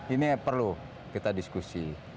ini perlu kita diskusi